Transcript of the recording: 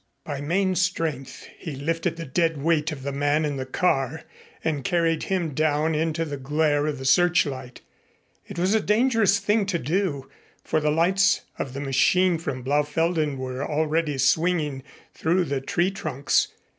By main strength he lifted the dead weight of the man in the car and carried him down into the glare of the searchlight. It was a dangerous thing to do, for the lights of the machine from Blaufelden were already swinging through the treetrunks.